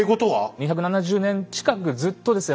２７０年近くずっとですね